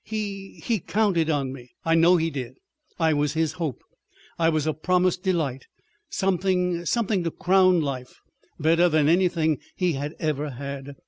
He—he counted on me. I know he did. I was his hope. I was a promised delight—something, something to crown life—better than anything he had ever had.